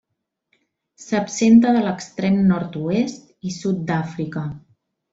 S'absenta de l'extrem nord-oest i sud d'Àfrica.